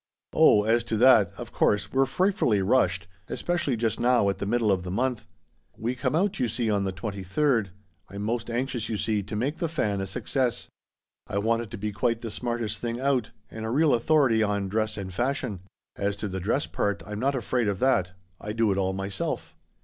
" Oh, as to that, of course, we're frightfully i rushed '— especially just now, at the middle of the month. We come out, you see, on the 23d. I'm most anxious, you see, to make The Fa/a a success. I want it to be quite the smartest thing out, and a real authority on dress and fashion. As to the dress part, I'm not afraid of that. I do it all myself."